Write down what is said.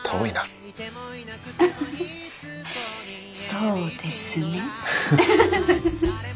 そうですね。